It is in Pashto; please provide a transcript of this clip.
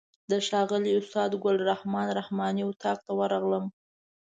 د ښاغلي استاد ګل رحمن رحماني اتاق ته ورغلم.